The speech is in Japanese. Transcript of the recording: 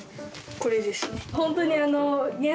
これですね。